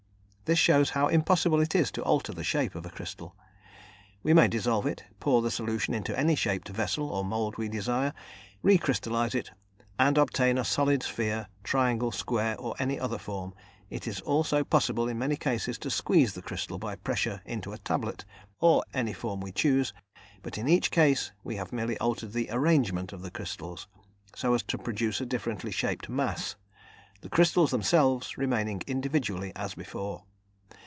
This shows how impossible it is to alter the shape of a crystal. We may dissolve it, pour the solution into any shaped vessel or mould we desire, recrystallise it and obtain a solid sphere, triangle, square, or any other form; it is also possible, in many cases, to squeeze the crystal by pressure into a tablet, or any form we choose, but in each case we have merely altered the arrangement of the crystals, so as to produce a differently shaped mass, the crystals themselves remaining individually as before.